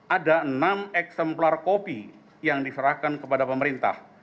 ada enam eksemplar kopi yang diserahkan kepada pemerintah